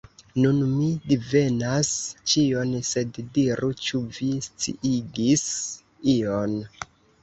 Nun mi divenas ĉion, sed diru, ĉu vi sciigis ion!